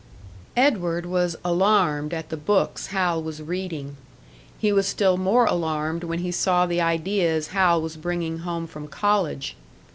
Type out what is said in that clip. Edward was alarmed at the books Hal was reading; he was still more alarmed when he saw the ideas Hal was bringing home from college.